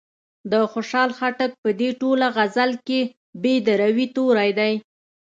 د خوشال خټک په دې ټوله غزل کې ب د روي توری دی.